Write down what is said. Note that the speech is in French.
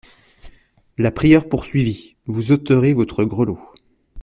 La prieure poursuivit : Vous ôterez votre grelot.